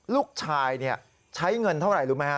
ลูกชายใช้เงินเท่าไหร่รู้ไหมฮะ